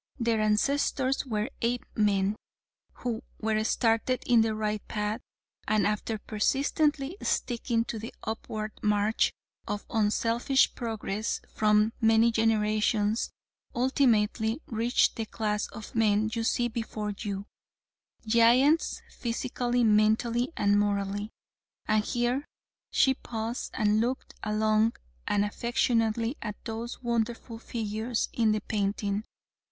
Their ancestors were Apemen who were started in the right path, and after persistently sticking to the upward march of unselfish progress for many generations, ultimately reached the class of men you see before you; giants, physically, mentally and morally." And here she paused and looked long and affectionately at those wonderful figures in the painting.